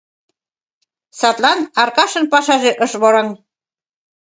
Садлан Аркашын пашаже ыш вораҥ.